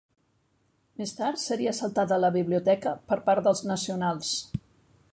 Més tard seria assaltada la biblioteca per part dels nacionals.